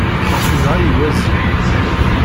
Inɣa-yi wazi.